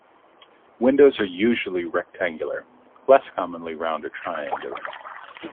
Windows are usually rectangular, less commonly round or triangular.